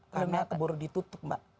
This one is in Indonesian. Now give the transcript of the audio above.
karena keburu ditutup mbak